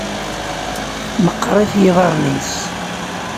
Meqqerit yiḍarren-is.